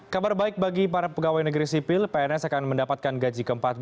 kabar baik bagi para pegawai negeri sipil pns akan mendapatkan gaji ke empat belas